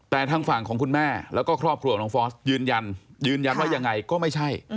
แต่ทางฝั่งของคุณแม่แล้วก็ครอบครัวของน้องฟอสยืนยันยืนยันว่ายังไงก็ไม่ใช่